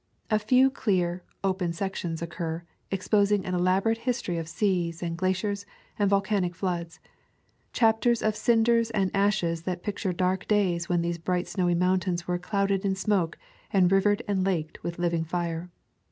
A few clear, open sections occur, exposing an elaborate history of seas, and glaciers, and vol canic floods — chapters of cinders and ashes that picture dark days when these bright snowy mountains were clouded in smoke and rivered and laked with living fire.